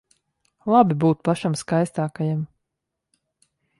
Labi būt pašam skaistākajam.